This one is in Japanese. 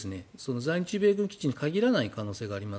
在日米軍基地に限らない可能性があります。